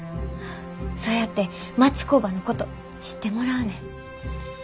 そうやって町工場のこと知ってもらうねん。